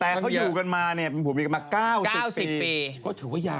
แต่เขาอยู่กันมาปรุงมีกันมา๙๐ปี